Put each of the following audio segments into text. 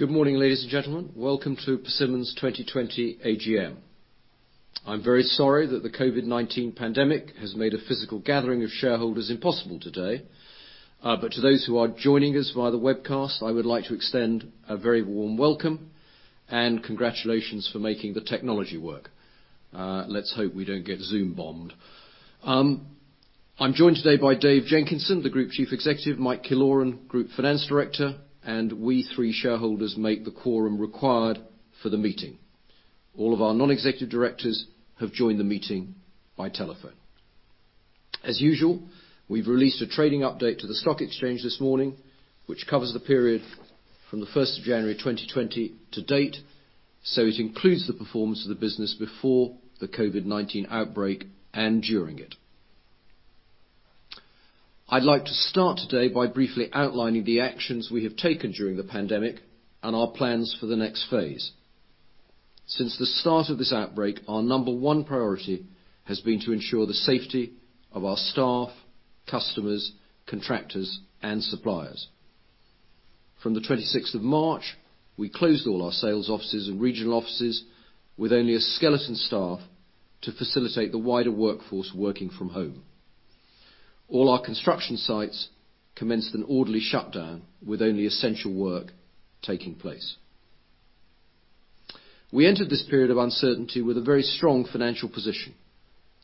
Good morning, ladies and gentlemen. Welcome to Persimmon's 2020 AGM. I'm very sorry that the COVID-19 pandemic has made a physical gathering of shareholders impossible today. To those who are joining us via the webcast, I would like to extend a very warm welcome and congratulations for making the technology work. Let's hope we don't get Zoom bombed. I'm joined today by Dave Jenkinson, the Group Chief Executive, Mike Killoran, Group Finance Director, and we three shareholders make the quorum required for the meeting. All of our non-executive directors have joined the meeting by telephone. As usual, we've released a trading update to the Stock Exchange this morning, which covers the period from the 1st of January 2020 to date, so it includes the performance of the business before the COVID-19 outbreak and during it. I'd like to start today by briefly outlining the actions we have taken during the pandemic and our plans for the next phase. Since the start of this outbreak, our number one priority has been to ensure the safety of our staff, customers, contractors, and suppliers. From the 26th of March, we closed all our sales offices and regional offices with only a skeleton staff to facilitate the wider workforce working from home. All our construction sites commenced an orderly shutdown with only essential work taking place. We entered this period of uncertainty with a very strong financial position,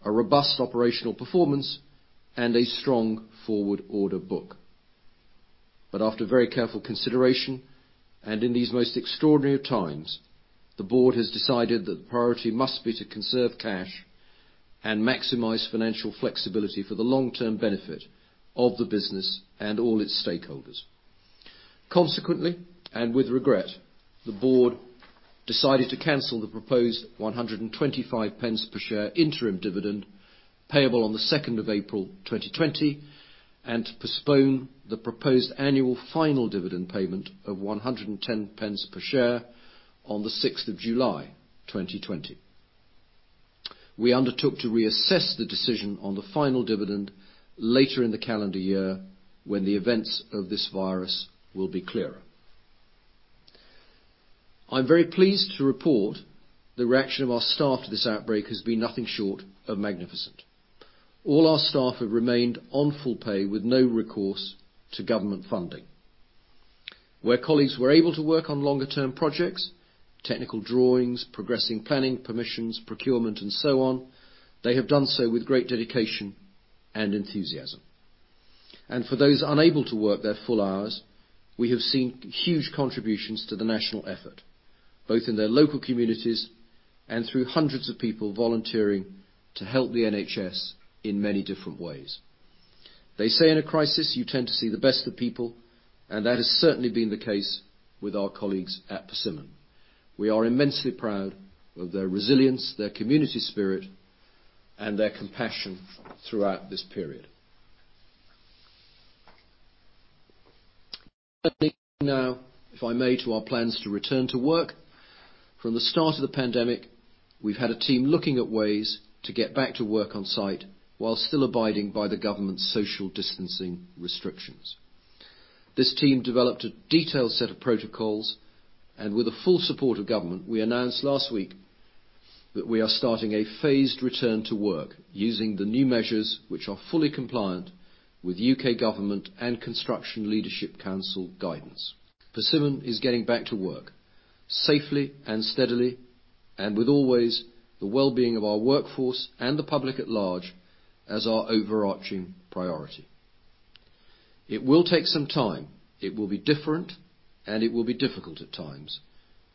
a robust operational performance, and a strong forward order book. After very careful consideration, and in these most extraordinary times, the Board has decided that the priority must be to conserve cash and maximize financial flexibility for the long-term benefit of the business and all its stakeholders. Consequently, and with regret, the board decided to cancel the proposed 1.25 per share interim dividend payable on the 2nd of April 2020 and postpone the proposed annual final dividend payment of 1.10 per share on the 6th of July 2020. We undertook to reassess the decision on the final dividend later in the calendar year when the events of this virus will be clearer. I'm very pleased to report the reaction of our staff to this outbreak has been nothing short of magnificent. All our staff have remained on full pay with no recourse to government funding. Where colleagues were able to work on longer term projects, technical drawings, progressing planning, permissions, procurement, and so on, they have done so with great dedication and enthusiasm. For those unable to work their full hours, we have seen huge contributions to the national effort, both in their local communities and through hundreds of people volunteering to help the NHS in many different ways. They say in a crisis you tend to see the best of people, and that has certainly been the case with our colleagues at Persimmon. We are immensely proud of their resilience, their community spirit, and their compassion throughout this period. Turning now, if I may, to our plans to return to work. From the start of the pandemic, we've had a team looking at ways to get back to work on site while still abiding by the government's social distancing restrictions. This team developed a detailed set of protocols, and with the full support of government, we announced last week that we are starting a phased return to work using the new measures which are fully compliant with U.K. government and Construction Leadership Council guidance. Persimmon is getting back to work safely and steadily, and with always the well-being of our workforce and the public at large as our overarching priority. It will take some time. It will be different, and it will be difficult at times.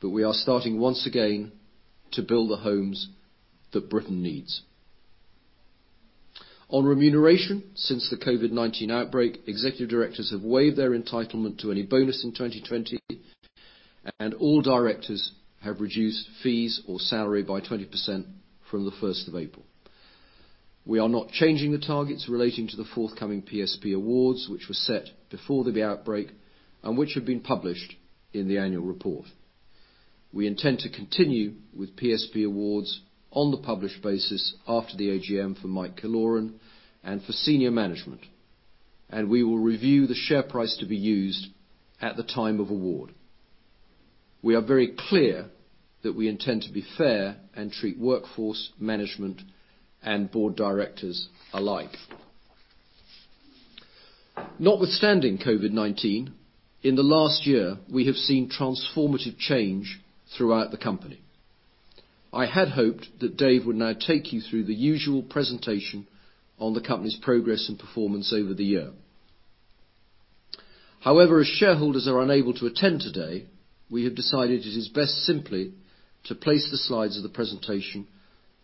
We are starting once again to build the homes that Britain needs. On remuneration, since the COVID-19 outbreak, executive directors have waived their entitlement to any bonus in 2020, and all directors have reduced fees or salary by 20% from the 1st of April. We are not changing the targets relating to the forthcoming PSP awards, which were set before the outbreak and which have been published in the annual report. We intend to continue with PSP awards on the published basis after the AGM for Mike Killoran and for senior management. We will review the share price to be used at the time of award. We are very clear that we intend to be fair and treat workforce, management, and board directors alike. Notwithstanding COVID-19, in the last year, we have seen transformative change throughout the company. I had hoped that Dave would now take you through the usual presentation on the company's progress and performance over the year. As shareholders are unable to attend today, we have decided it is best simply to place the slides of the presentation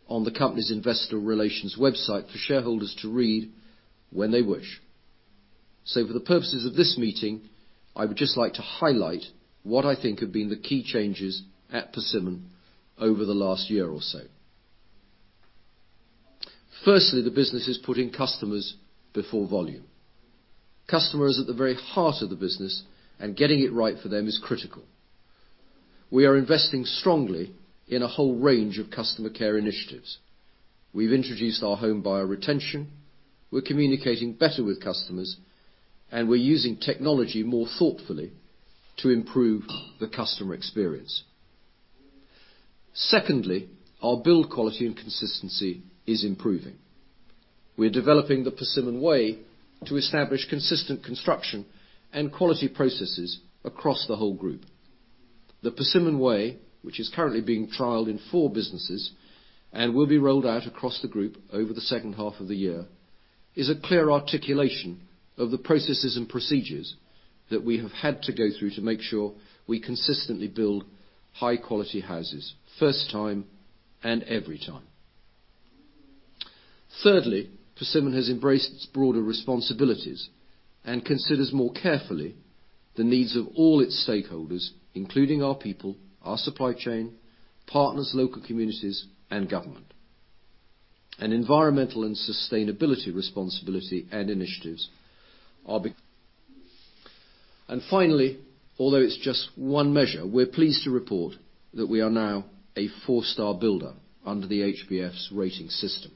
on the company's investor relations website for shareholders to read when they wish. For the purposes of this meeting, I would just like to highlight what I think have been the key changes at Persimmon over the last year or so. Firstly, the business is putting customers before volume. Customer is at the very heart of the business and getting it right for them is critical. We are investing strongly in a whole range of customer care initiatives. We've introduced our home buyer retention, we're communicating better with customers, and we're using technology more thoughtfully to improve the customer experience. Secondly, our build quality and consistency is improving. We're developing The Persimmon Way to establish consistent construction and quality processes across the whole group. The Persimmon Way, which is currently being trialed in four businesses, and will be rolled out across the group over the second half of the year, is a clear articulation of the processes and procedures that we have had to go through to make sure we consistently build high-quality houses first time and every time. Thirdly, Persimmon has embraced its broader responsibilities and considers more carefully the needs of all its stakeholders, including our people, our supply chain, partners, local communities, and government. Finally, although it's just one measure, we're pleased to report that we are now a four-star builder under the HBF's rating system.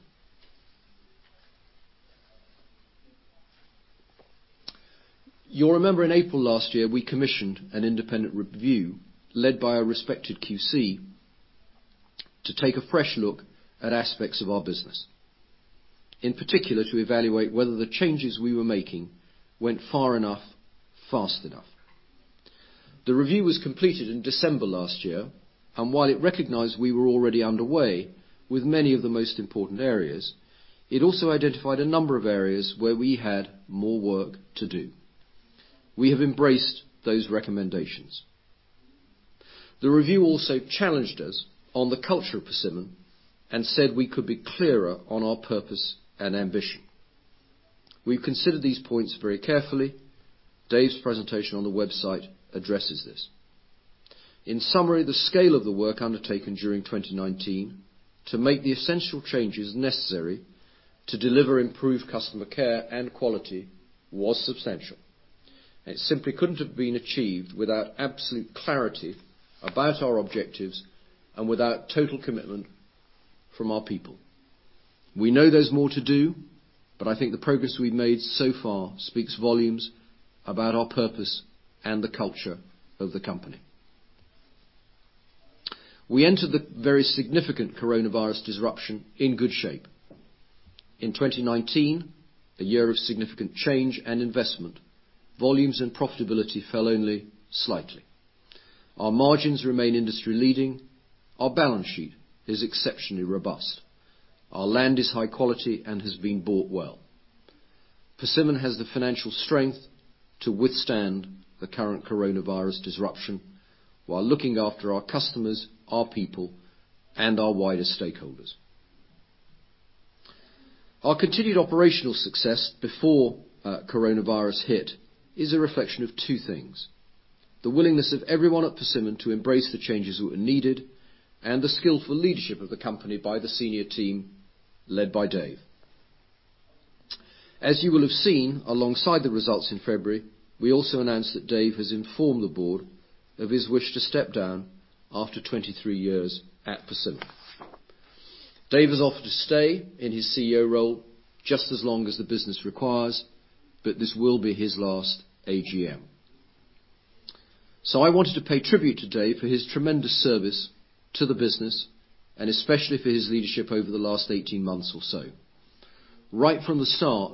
You'll remember in April last year, we commissioned an independent review led by a respected QC to take a fresh look at aspects of our business. In particular, to evaluate whether the changes we were making went far enough, fast enough. The review was completed in December last year, and while it recognized we were already underway with many of the most important areas, it also identified a number of areas where we had more work to do. We have embraced those recommendations. The review also challenged us on the culture of Persimmon and said we could be clearer on our purpose and ambition. We've considered these points very carefully. Dave's presentation on the website addresses this. In summary, the scale of the work undertaken during 2019 to make the essential changes necessary to deliver improved customer care and quality was substantial. It simply couldn't have been achieved without absolute clarity about our objectives and without total commitment from our people. We know there's more to do, but I think the progress we've made so far speaks volumes about our purpose and the culture of the company. We entered the very significant Coronavirus disruption in good shape. In 2019, a year of significant change and investment, volumes and profitability fell only slightly. Our margins remain industry leading. Our balance sheet is exceptionally robust. Our land is high quality and has been bought well. Persimmon has the financial strength to withstand the current Coronavirus disruption while looking after our customers, our people, and our wider stakeholders. Our continued operational success before Coronavirus hit is a reflection of two things: the willingness of everyone at Persimmon to embrace the changes that were needed, and the skillful leadership of the company by the senior team led by Dave. As you will have seen alongside the results in February, we also announced that Dave has informed the board of his wish to step down after 23 years at Persimmon. Dave has offered to stay in his CEO role just as long as the business requires. This will be his last AGM. I wanted to pay tribute to Dave for his tremendous service to the business, and especially for his leadership over the last 18 months or so. Right from the start,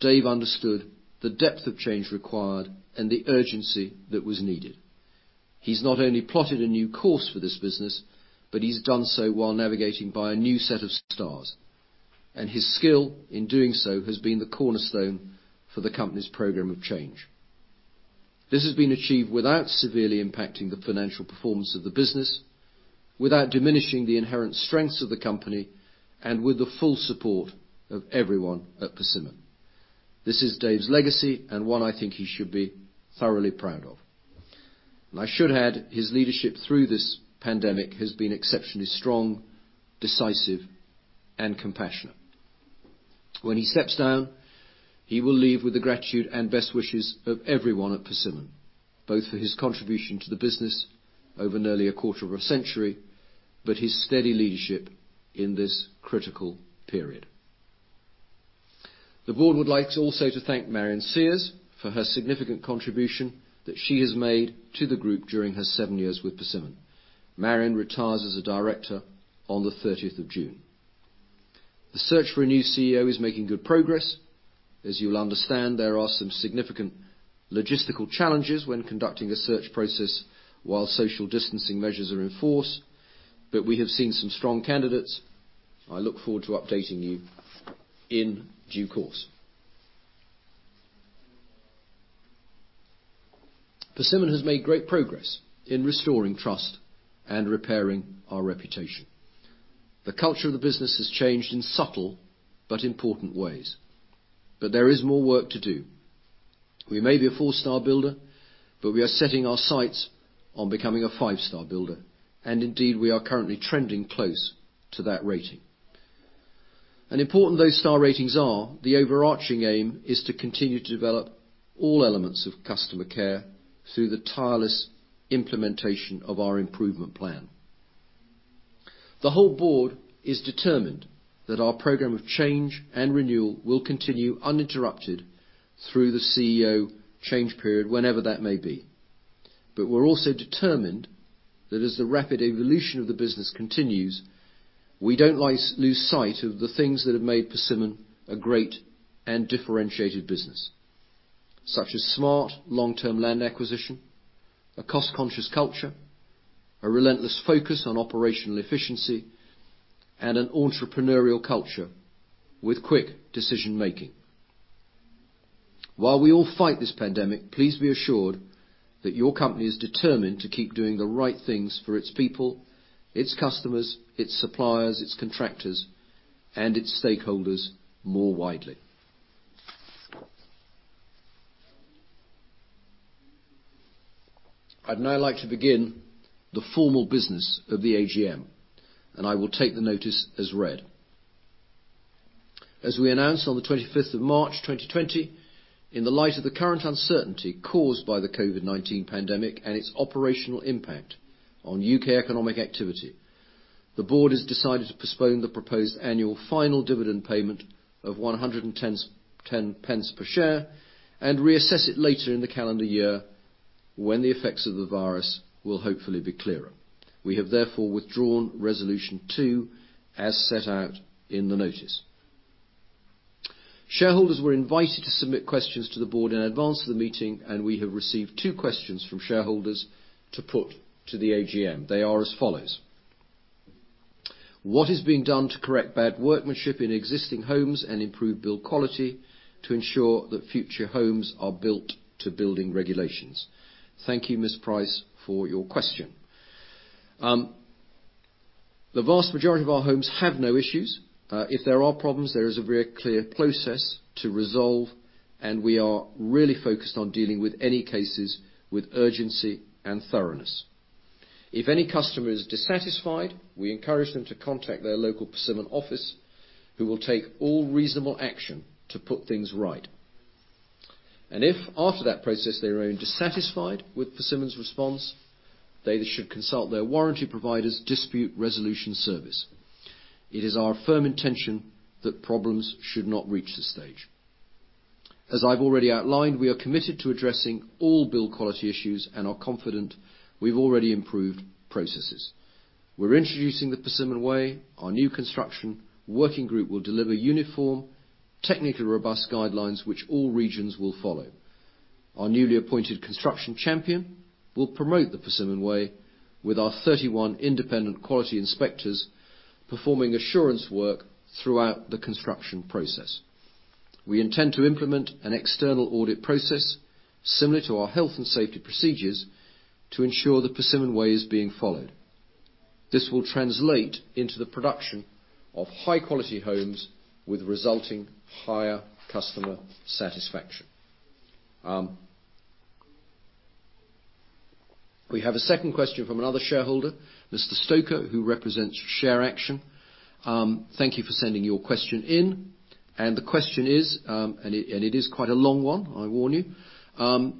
Dave understood the depth of change required and the urgency that was needed. He's not only plotted a new course for this business, but he's done so while navigating by a new set of stars. His skill in doing so has been the cornerstone for the company's program of change. This has been achieved without severely impacting the financial performance of the business, without diminishing the inherent strengths of the company, and with the full support of everyone at Persimmon. This is Dave's legacy, and one I think he should be thoroughly proud of. I should add, his leadership through this pandemic has been exceptionally strong, decisive, and compassionate. When he steps down, he will leave with the gratitude and best wishes of everyone at Persimmon, both for his contribution to the business over nearly a quarter of a century, but his steady leadership in this critical period. The board would like to also thank Marion Sears for her significant contribution that she has made to the group during her seven years with Persimmon. Marion retires as a director on the 30th of June. The search for a new CEO is making good progress. As you will understand, there are some significant logistical challenges when conducting a search process while social distancing measures are in force, but we have seen some strong candidates. I look forward to updating you in due course. Persimmon has made great progress in restoring trust and repairing our reputation. The culture of the business has changed in subtle but important ways, but there is more work to do. We may be a four-star builder, but we are setting our sights on becoming a five-star builder, and indeed, we are currently trending close to that rating. Important though star ratings are, the overarching aim is to continue to develop all elements of customer care through the tireless implementation of our improvement plan. The whole board is determined that our program of change and renewal will continue uninterrupted through the CEO change period, whenever that may be. We're also determined that as the rapid evolution of the business continues, we don't lose sight of the things that have made Persimmon a great and differentiated business, such as smart long-term land acquisition, a cost-conscious culture, a relentless focus on operational efficiency, and an entrepreneurial culture with quick decision-making. While we all fight this pandemic, please be assured that your company is determined to keep doing the right things for its people, its customers, its suppliers, its contractors, and its stakeholders more widely. I'd now like to begin the formal business of the AGM, and I will take the notice as read. As we announced on the 25th of March 2020, in the light of the current uncertainty caused by the COVID-19 pandemic and its operational impact on U.K. economic activity, the board has decided to postpone the proposed annual final dividend payment of 1.10 per share, and reassess it later in the calendar year when the effects of the virus will hopefully be clearer. We have therefore withdrawn resolution two as set out in the notice. Shareholders were invited to submit questions to the board in advance of the meeting, and we have received two questions from shareholders to put to the AGM. They are as follows: What is being done to correct bad workmanship in existing homes and improve build quality to ensure that future homes are built to building regulations? Thank you, Ms. Price, for your question. The vast majority of our homes have no issues. If there are problems, there is a very clear process to resolve. We are really focused on dealing with any cases with urgency and thoroughness. If any customer is dissatisfied, we encourage them to contact their local Persimmon office, who will take all reasonable action to put things right. If after that process they remain dissatisfied with Persimmon's response, they should consult their warranty provider's dispute resolution service. It is our firm intention that problems should not reach this stage. As I've already outlined, we are committed to addressing all build quality issues and are confident we've already improved processes. We're introducing The Persimmon Way. Our new construction working group will deliver uniform, technically robust guidelines which all regions will follow. Our newly appointed construction champion will promote The Persimmon Way with our 31 independent quality inspectors performing assurance work throughout the construction process. We intend to implement an external audit process similar to our health and safety procedures to ensure the Persimmon Way is being followed. This will translate into the production of high-quality homes with resulting higher customer satisfaction. We have a second question from another shareholder, Mr. Stoker, who represents ShareAction. Thank you for sending your question in. The question is, it is quite a long one, I warn you.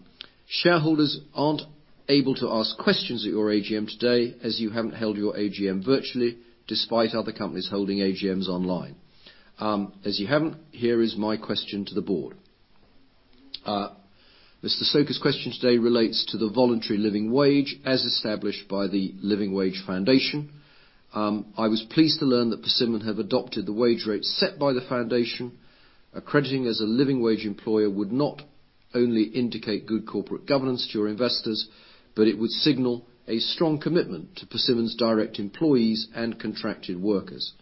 "Shareholders aren't able to ask questions at your AGM today as you haven't held your AGM virtually despite other companies holding AGMs online. As you haven't, here is my question to the board." Mr. Stoker's question today relates to the voluntary living wage as established by the Living Wage Foundation. "I was pleased to learn that Persimmon have adopted the wage rates set by the foundation. Accrediting as a Living Wage employer would not only indicate good corporate governance to your investors, but it would signal a strong commitment to Persimmon's direct employees and contracted workers.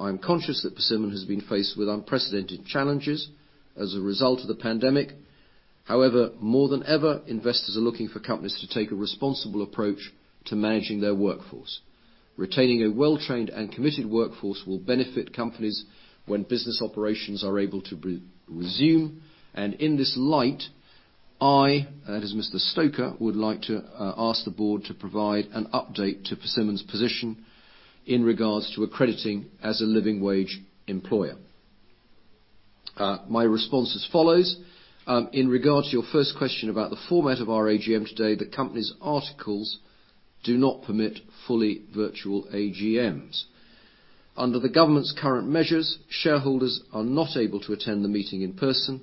I'm conscious that Persimmon has been faced with unprecedented challenges as a result of the pandemic. However, more than ever, investors are looking for companies to take a responsible approach to managing their workforce. Retaining a well-trained and committed workforce will benefit companies when business operations are able to resume. In this light, I, that is Mr. Stoker, would like to ask the board to provide an update to Persimmon's position in regards to accrediting as a Living Wage employer. My response as follows. In regards to your first question about the format of our AGM today, the company's articles do not permit fully virtual AGMs. Under the government's current measures, shareholders are not able to attend the meeting in person.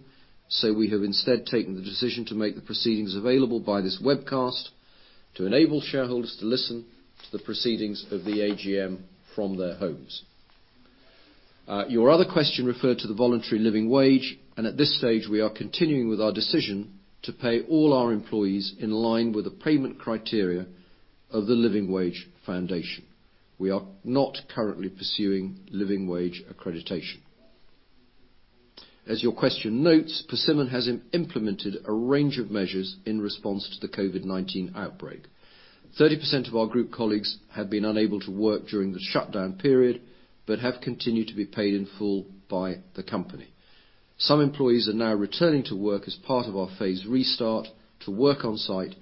We have instead taken the decision to make the proceedings available by this webcast to enable shareholders to listen to the proceedings of the AGM from their homes. Your other question referred to the voluntary Living Wage. At this stage, we are continuing with our decision to pay all our employees in line with the payment criteria of the Living Wage Foundation. We are not currently pursuing Living Wage accreditation. As your question notes, Persimmon has implemented a range of measures in response to the COVID-19 outbreak. 30% of our group colleagues have been unable to work during the shutdown period but have continued to be paid in full by the company. Some employees are now returning to work as part of our phased restart to work on site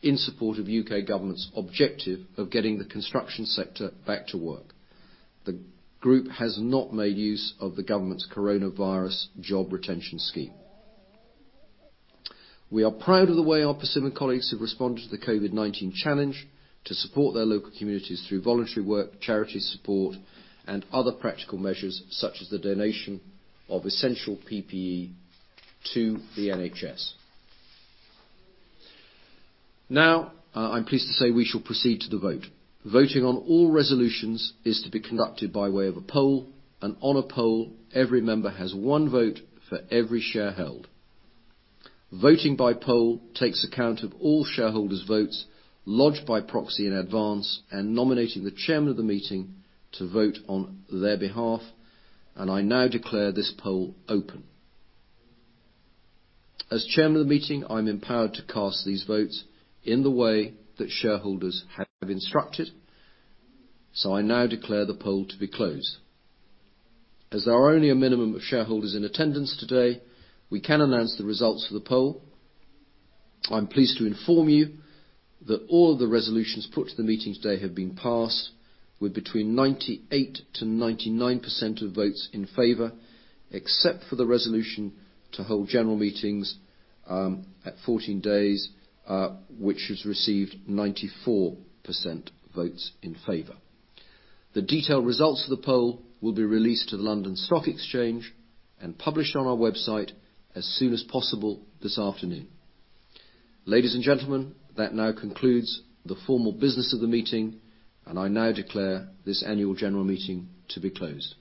in support of U.K. government's objective of getting the construction sector back to work. The group has not made use of the government's Coronavirus Job Retention Scheme. We are proud of the way our Persimmon colleagues have responded to the COVID-19 challenge to support their local communities through voluntary work, charity support, and other practical measures such as the donation of essential PPE to the NHS. Now, I'm pleased to say we shall proceed to the vote. Voting on all resolutions is to be conducted by way of a poll, and on a poll, every member has one vote for every share held. Voting by poll takes account of all shareholders' votes lodged by proxy in advance and nominating the chairman of the meeting to vote on their behalf. I now declare this poll open. As chairman of the meeting, I'm empowered to cast these votes in the way that shareholders have instructed. I now declare the poll to be closed. As there are only a minimum of shareholders in attendance today, we can announce the results of the poll. I'm pleased to inform you that all of the resolutions put to the meeting today have been passed with between 98%-99% of votes in favor, except for the resolution to hold general meetings at 14 days, which has received 94% votes in favor. The detailed results of the poll will be released to the London Stock Exchange and published on our website as soon as possible this afternoon. Ladies and gentlemen, that now concludes the formal business of the meeting, and I now declare this annual general meeting to be closed.